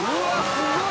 「すごい！」